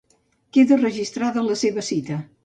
Queda registrada la seva cita.